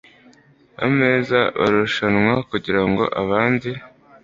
ameza barushanwa, kugira ngo abandi